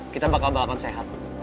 kita bakal bahkan sehat